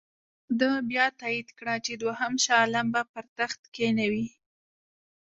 ده بیا تایید کړه چې دوهم شاه عالم به پر تخت کښېنوي.